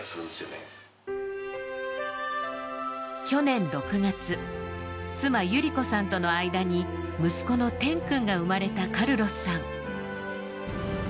去年６月妻・友里子さんとの間に息子の天君が生まれたカルロスさん。